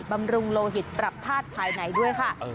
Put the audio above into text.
บำรุงโลหิตปรับธาตุภายในด้วยค่ะ